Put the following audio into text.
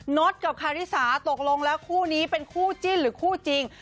ดกับคาริสาตกลงแล้วคู่นี้เป็นคู่จิ้นหรือคู่จริง